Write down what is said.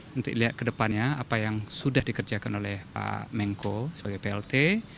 nanti lihat kedepannya apa yang sudah dikerjakan oleh pak mengko sebagai plt